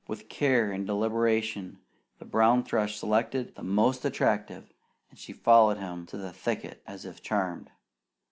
With care and deliberation the brown thrush selected the most attractive, and she followed him to the thicket as if charmed.